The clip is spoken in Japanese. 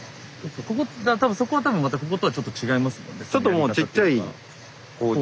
多分そこは多分またこことはちょっと違いますもんね？